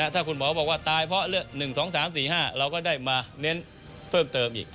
ถ้าคุณหมอบอกว่าตายเพราะ๑๒๓๔๕เราก็ได้มาเน้นเพิ่มเติมอีก